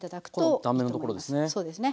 この断面のところですね。